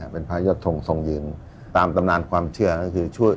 เป็นพระยอดทงทรงยืนตามตำนานความเชื่อก็คือช่วย